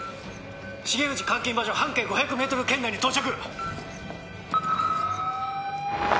重藤監禁場所半径５００ｍ圏内に到着！